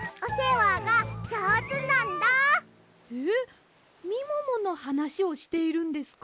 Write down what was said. えっみもものはなしをしているんですか？